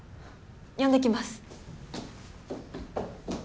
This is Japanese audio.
呼んできます。